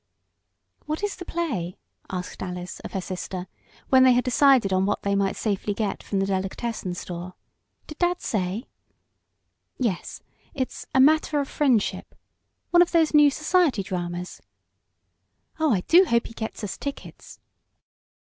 "What is the play?" asked Alice of her sister, when they had decided on what they might safely get from the delicatessen store. "Did dad say?" "Yes. It's 'A Matter of Friendship.' One of those new society dramas." "Oh, I do hope he gets us tickets!"